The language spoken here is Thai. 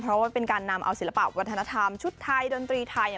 เพราะว่าเป็นการนำเอาศิลปะวัฒนธรรมชุดไทยดนตรีไทย